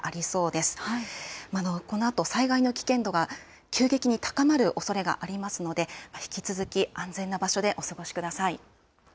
このあと、災害の危険度が急激に高まることがありますので引き続き安全な場所でお過ごしください。